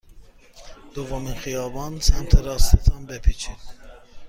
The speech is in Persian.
دومین خیابان سمت راست تان بپیچید.